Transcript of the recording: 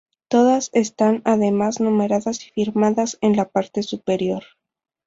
Todas están además numeradas y firmadas en la parte superior.